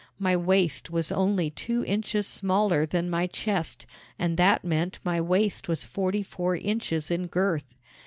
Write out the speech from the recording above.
My waist was only two inches smaller than my chest and that meant my waist was forty four inches in girth.